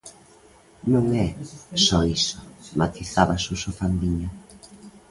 "Non é só iso", matizaba Suso Fandiño.